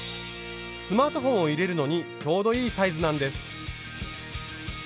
スマートフォンを入れるのにちょうどいいサイズなんです。